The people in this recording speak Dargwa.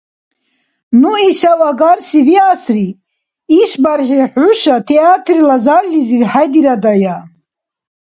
Ну ишав агарси виасри, - ишбархӀи хӀуша театрла заллизир хӀедирадая.